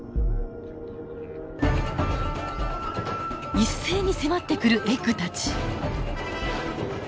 一斉に迫ってくるエッグたち。